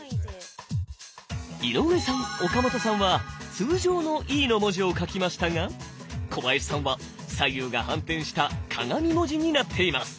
井上さん岡本さんは通常のＥの文字を書きましたが小林さんは左右が反転した鏡文字になっています。